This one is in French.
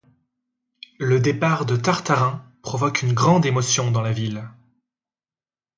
Le départ de Tartarin provoque une grande émotion dans la ville.